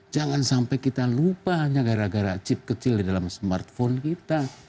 jangan sampai kita lupa hanya gara gara chip kecil di dalam smartphone kita